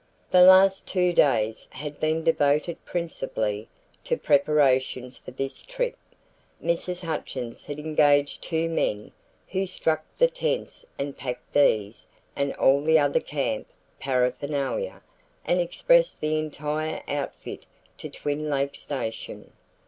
The last two days had been devoted principally to preparations for this trip. Mrs. Hutchins had engaged two men who struck the tents and packed these and all the other camp paraphernalia and expressed the entire outfit to Twin Lakes station.